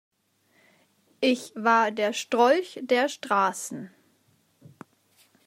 Ich war der Strolch der Straßen.